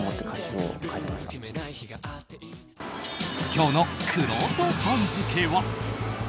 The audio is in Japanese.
今日の、くろうと番付は。